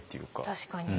確かに。